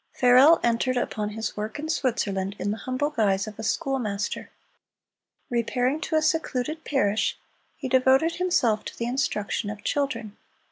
Farel entered upon his work in Switzerland in the humble guise of a schoolmaster. Repairing to a secluded parish, he devoted himself to the instruction of children.